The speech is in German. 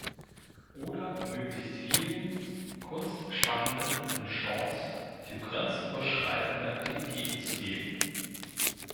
Oder möglichst vielen Kunstschaffenden eine Chance für grenzüberschreitende Aktivitäten zu geben?